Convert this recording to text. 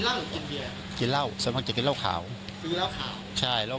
หลังเลิกงานนี่ก็เป็นบางวัน